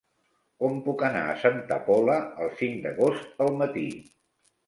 Com puc anar a Santa Pola el cinc d'agost al matí?